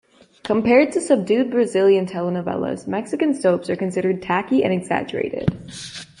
Compared to subdued Brazilian telenovelas, Mexican soaps are considered tacky and exaggerated.